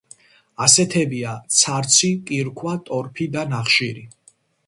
ასეთებია: ცარცი, კირქვა, ტორფი და ნახშირი.